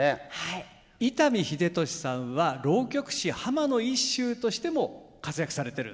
伊丹秀敏さんは浪曲師浜乃一舟としても活躍されてる。